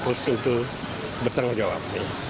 untuk bertanggung jawab